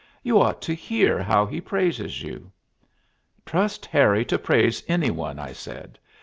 You ought to hear how he praises you." "Trust Harry to praise any one," I said.